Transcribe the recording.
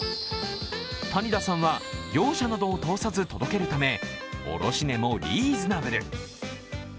谷田さんは業者などを通さず届けるため卸値もリーズナブル。